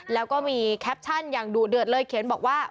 แล้วก็มีแคปชั่นอย่างดุเดือดเลยเขียนบอกว่า